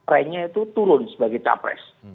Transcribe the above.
rangnya itu turun sebagai capres